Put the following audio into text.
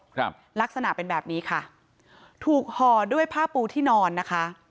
ครับลักษณะเป็นแบบนี้ค่ะถูกห่อด้วยผ้าปูที่นอนนะคะ